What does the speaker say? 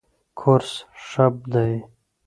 کورس ښه دی.